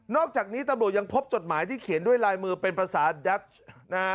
อกจากนี้ตำรวจยังพบจดหมายที่เขียนด้วยลายมือเป็นภาษาดัชนะฮะ